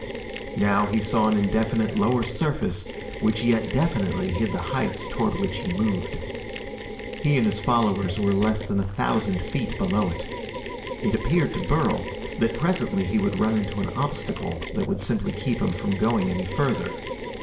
Now he saw an indefinite lower surface which yet definitely hid the heights toward which he moved. He and his followers were less than a thousand feet below it. It appeared to Burl that presently he would run into an obstacle that would simply keep him from going any further.